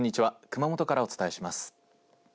熊本からお伝えします。